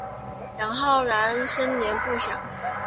杨浩然生年不详。